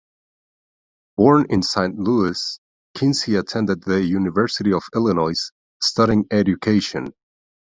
Born in Saint Louis, Kinsey attended the University of Illinois, studying education.